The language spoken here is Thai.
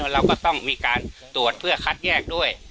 เราก็ต้องมีการตรวจเพื่อคัดแยกด้วย